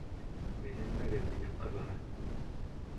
Бәйләнмәгеҙ минең ҡыҙға!